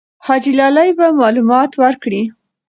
حاجي لالی به معلومات ورکړي.